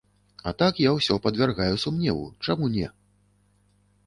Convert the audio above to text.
А так я ўсё падвяргаю сумневу, чаму не?